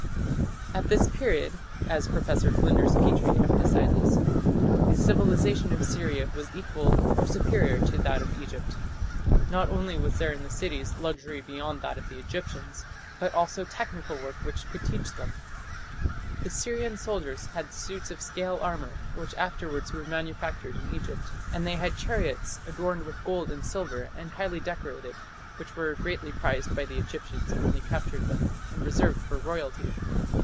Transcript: "At this period", as Professor Flinders Petrie emphasizes, "the civilization of Syria was equal or superior to that of Egypt." Not only was there in the cities "luxury beyond that of the Egyptians", but also "technical work which could teach them". The Syrian soldiers had suits of scale armour, which afterwards were manufactured in Egypt, and they had chariots adorned with gold and silver and highly decorated, which were greatly prized by the Egyptians when they captured them, and reserved for royalty.